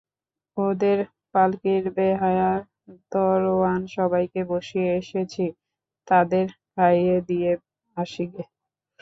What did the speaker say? ওদের পালকির বেহারা-দরোয়ান সবাইকে বসিয়ে এসেছি, তাদের খাইয়ে দিয়ে আসি গে।